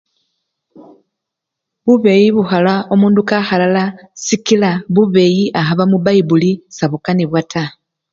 Bubeyi bukhola omundu kakhalala sikila bubeyi akhaba mubayibuli sebukanibwa taa